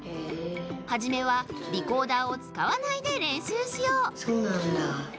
はじめはリコーダーをつかわないで練習しようそうなんだ。